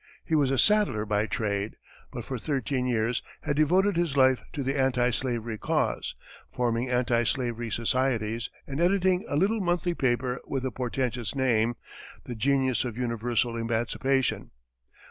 He was a saddler by trade, but for thirteen years had devoted his life to the anti slavery cause, forming anti slavery societies and editing a little monthly paper with a portentous name "The Genius of Universal Emancipation."